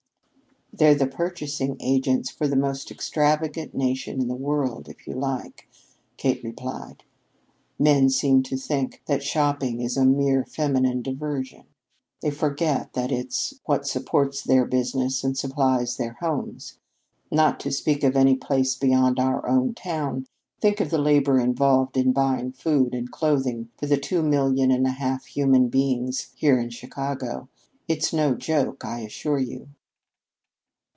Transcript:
"They're the purchasing agents for the most extravagant nation in the world, if you like," Kate replied. "Men seem to think that shopping is a mere feminine diversion. They forget that it's what supports their business and supplies their homes. Not to speak of any place beyond our own town, think of the labor involved in buying food and clothing for the two million and a half human beings here in Chicago. It's no joke, I assure you."